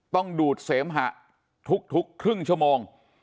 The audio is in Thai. ต้องดูดเสมหะทุกครึ่งชั่วโมง